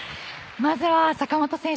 まずは、坂本選手